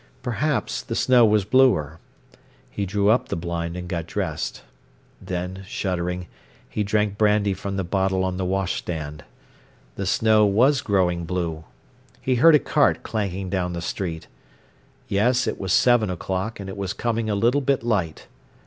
Perhaps the snow was bluer. He drew up the blind and got dressed. Then, shuddering, he drank brandy from the bottle on the wash stand. The snow was growing blue. He heard a cart clanking down the street. Yes, it was seven o'clock, and it was coming a little bit light.